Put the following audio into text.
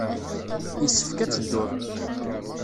Yessefk ad tedduḍ.